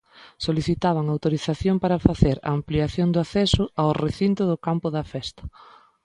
Solicitaban "autorización para facer a ampliación do acceso ao recinto do campo da festa".